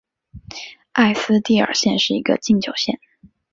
埃斯蒂尔县是一个禁酒县。